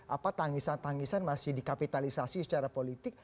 apa tangisan tangisan masih dikapitalisasi secara politik